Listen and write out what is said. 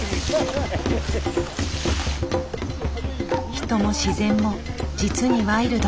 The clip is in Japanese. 人も自然も実にワイルド。